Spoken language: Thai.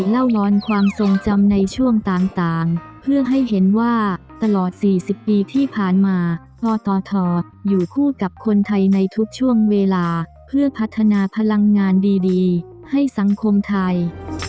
เล่าร้อนความทรงจำในช่วงต่างเพื่อให้เห็นว่าตลอด๔๐ปีที่ผ่านมากตทอยู่คู่กับคนไทยในทุกช่วงเวลาเพื่อพัฒนาพลังงานดีให้สังคมไทย